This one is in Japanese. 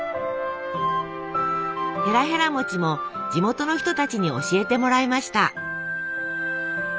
へらへら餅も地元の人たちに教えてもらいました。